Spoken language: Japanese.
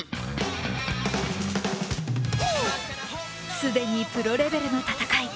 既にプロレベルの戦い。